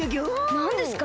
なんですか？